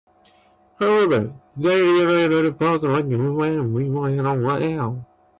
However, they rarely pose a threat to humans as they prefer to avoid contact.